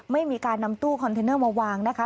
ไม่มีการนำตู้คอนเทนเนอร์มาวางนะคะ